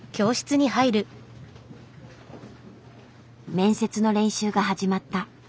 面接の練習が始まった。